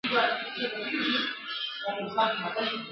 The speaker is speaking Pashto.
د ښار خلکو ته راوړې یې دعوه وه ..